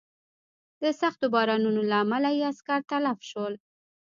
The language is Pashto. د سختو بارانونو له امله یې عسکر تلف شول.